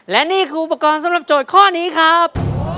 และนี่คืออุปกรณ์สำหรับโจทย์ข้อนี้ครับ